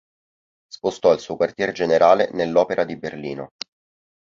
Spostò il suo quartier generale nell'Opera di Berlino.